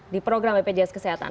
di program bpjs kesehatan